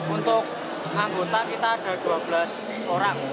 untuk anggota kita ada dua belas orang